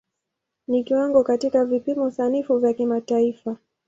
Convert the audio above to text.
Ni kiwango katika vipimo sanifu vya kimataifa.